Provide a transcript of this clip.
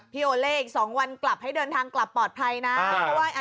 โอเล่อีก๒วันกลับให้เดินทางกลับปลอดภัยนะ